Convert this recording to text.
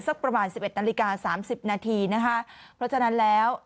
สักประมาณ๑๑นาฬิกา๓๐นาทีนะคะเพราะฉะนั้นแล้ว